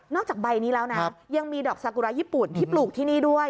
จากใบนี้แล้วนะยังมีดอกสากุระญี่ปุ่นที่ปลูกที่นี่ด้วย